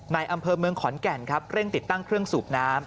อำเภอเมืองขอนแก่นครับเร่งติดตั้งเครื่องสูบน้ำ